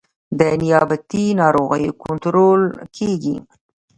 د نباتي ناروغیو کنټرول کیږي